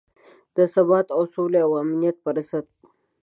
د ثبات او سولې او امنیت پر ضد.